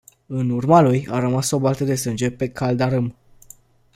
În urma lui, a rămas o baltă de sânge pe caldarâm.